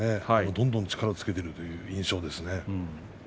どんどん力をつけてきている印象ですね。